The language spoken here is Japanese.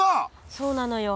そうなのよ。